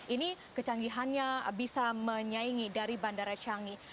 ini kecanggihannya bisa menyaingi dari bandara canggih